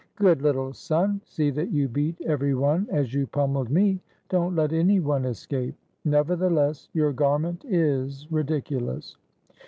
" Good little son! See that you beat every one as you pom meled me; don't let any one escape. Nevertheless, your garment is ridiculous.